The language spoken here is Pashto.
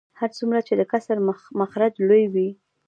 هر څومره چې د کسر مخرج لوی وي